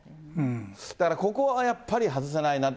だからここはやっぱり、外せないなと。